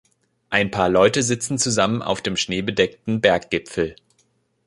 Ein paar Leute sitzen zusammen auf dem schneebedeckten Berggipfel.